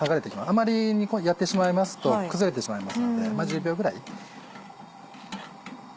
あまりやってしまいますと崩れてしまいますのでまぁ１０秒ぐらい。